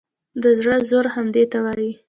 د زړه زور همدې ته وایي.